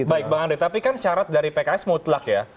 baik banget tapi kan syarat dari pks mutlak ya